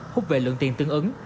hút về lượng tiền tương ứng